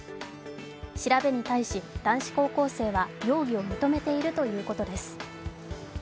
調べに対し、男子高校生は容疑を認めているということです。